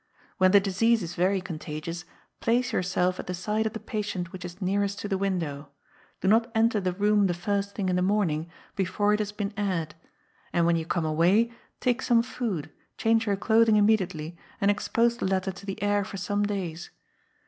When the disease is very contagious, place yourself at the side of the patient which is nearest to the window. Do not enter the room the first thing in the morning, before it has been aired; and when you come away, take some food, change your clothing immediately, and expose the latter to the air for some days.